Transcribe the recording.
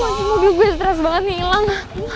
wajib gue stress banget nih ilang